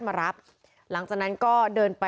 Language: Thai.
เมื่อวานแบงค์อยู่ไหนเมื่อวาน